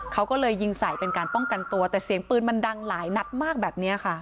เขาก็เลยยิงใส่เป็นการป้องกันตัวแต่เสียงปืนมันดังหลายนัดมากแบบนี้ค่ะ